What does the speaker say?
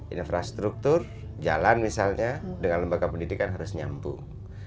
infrastruktur jalan misalnya dengan lembaga pendidikan harus nyambung